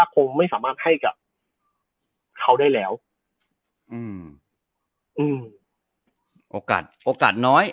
คงไม่สามารถให้กับเขาได้แล้วอืมอืมโอกาสโอกาสน้อย